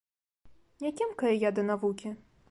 Не кемкая я да навукі.